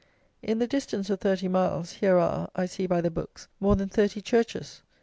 In the distance of thirty miles, here are, I see by the books, more than thirty churches.